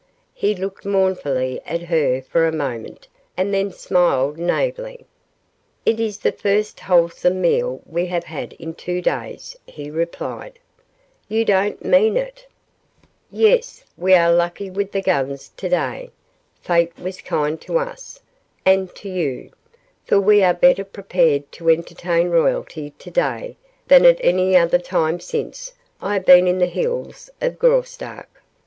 He looked mournfully at her for a moment and then smiled naively. "It is the first wholesome meal we have had in two days," he replied. "You don't mean it!" "Yes. We were lucky with the guns to day. Fate was kind to us and to you, for we are better prepared to entertain royalty to day than at any time since I have been in the hills of Graustark."